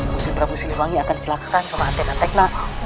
pusim prabu siliwangi akan diselakakan